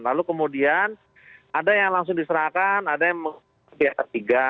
lalu kemudian ada yang langsung diserahkan ada yang pihak ketiga